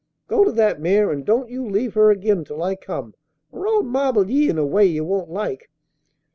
"Go to that mare, and don't you leave her again till I come, or I'll marble ye in a way you won't like."